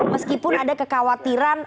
meskipun ada kekhawatiran